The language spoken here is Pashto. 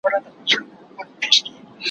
ما مخکي د ښوونځي کتابونه مطالعه کړي وو؟!